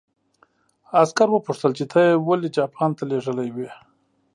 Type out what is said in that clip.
عسکر وپوښتل چې ته یې ولې جاپان ته لېږلی وې